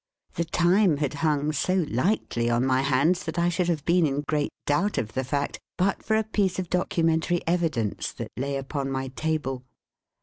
The time had hung so lightly on my hands, that I should have been in great doubt of the fact but for a piece of documentary evidence that lay upon my table.